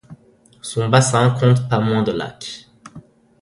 Son bassin compte pas moins de lacs.